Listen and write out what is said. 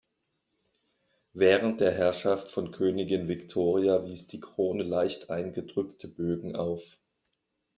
Während der Herrschaft von Königin Victoria wies die Krone leicht eingedrückte Bögen auf.